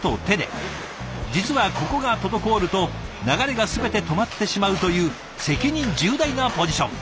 実はここが滞ると流れが全て止まってしまうという責任重大なポジション。